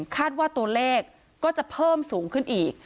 คาดว่าตัวเลขก็จะเพิ่มสูงขึ้นอีก